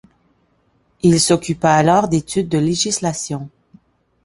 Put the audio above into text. Il s'occupa alors d'études de législation.